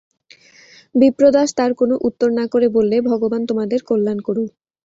বিপ্রদাস তার কোনো উত্তর না করে বললে, ভগবান তোমাদের কল্যাণ করুন।